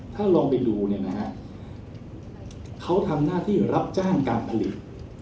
ถ้าลองไปดูมันทำหน้าที่รับจ้างการผลิต